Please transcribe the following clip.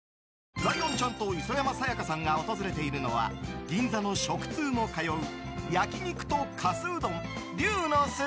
ライオンちゃんと磯山さやかさんが訪れているのは銀座の食通も通う焼肉とかすうどん龍の巣。